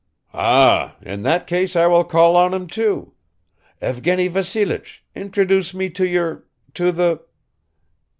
"Ah, in that case I will call on him, too ... Evgeny Vassilich, introduce me to your ... to the.